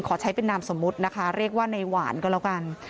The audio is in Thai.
ขอใช้เป็นนามสมมุตินะคะเรียกว่าในหวานก็แล้วกัน